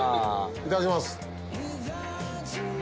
いただきます。